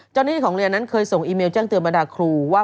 นักเรียนของเรียนนั้นเคยส่งอีเมลแจ้งเตือนบรรดาครูว่า